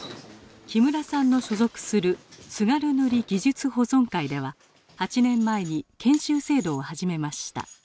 木村さんの所属する津軽塗技術保存会では８年前に研修制度を始めました。